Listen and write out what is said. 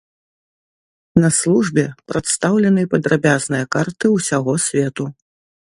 На службе прадстаўлены падрабязныя карты усяго свету.